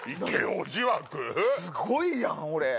すごいやん俺。